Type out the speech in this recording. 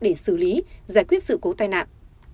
để xử lý giải quyết sự cố tai nạn